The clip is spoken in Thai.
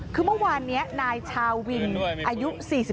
คือเมื่อวานนี้นายชาววินอายุ๔๒